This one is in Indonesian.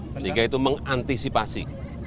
sehingga itu mengantisipasi